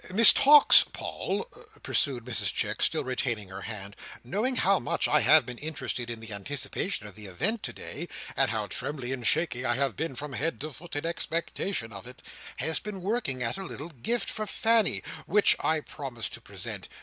"Miss Tox, Paul," pursued Mrs Chick, still retaining her hand, "knowing how much I have been interested in the anticipation of the event of today, and how trembly and shaky I have been from head to foot in expectation of it, has been working at a little gift for Fanny, which I promised to present.